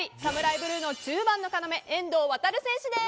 ブルーの中盤の要、遠藤航選手です。